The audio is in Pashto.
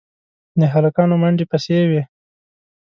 د هلکانو منډې پسې وې.